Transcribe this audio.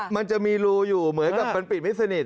มันจะมีรูอยู่เหมือนกับมันปิดไม่สนิท